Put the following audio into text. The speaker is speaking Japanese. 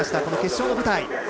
この決勝の舞台